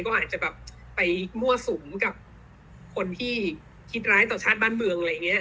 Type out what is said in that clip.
ก็อาจจะแบบไปมั่วสุมกับคนที่คิดร้ายต่อชาติบ้านเมืองอะไรอย่างนี้